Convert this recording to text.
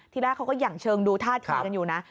แรกเขาก็หยั่งเชิงดูท่าทีกันอยู่นะ